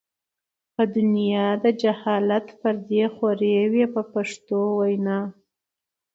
په دنیا د جهالت پردې خورې وې په پښتو وینا.